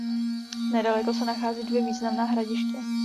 Nedaleko se nachází dvě významná hradiště.